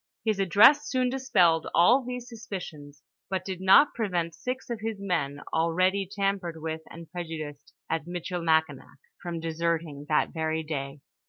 Ilis address soon dispelled all these suspicions, but did not prevent six of his men, already tam pered with and prejudiced at Michilimakinak, from deserting that very day.